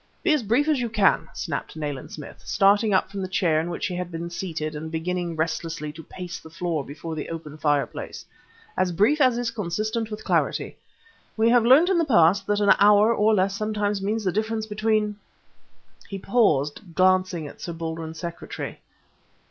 "Be as brief as you can," snapped Nayland Smith, starting up from the chair in which he had been seated and beginning restlessly to pace the floor before the open fireplace "as brief as is consistent with clarity. We have learnt in the past that an hour or less sometimes means the difference between " He paused, glancing at Sir Baldwin's secretary.